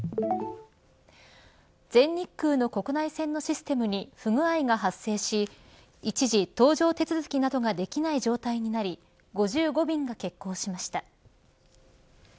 全日空の国内線のシステムに不具合が発生し一時、搭乗手続きなどができない状態になり５５便が欠航しました。